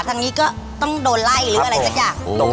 ทางนี้ก็ต้องโดนไล่หรืออะไรสักอย่าง